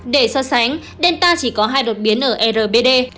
để so sánh delta chỉ có hai đột biến ở rbd